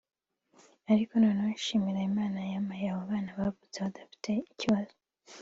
ariko nanone nshimira Imana yampaye abo bana bavutse badafite ikibazo